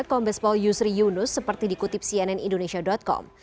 kombes paul yusri yunus seperti dikutip cnn indonesia com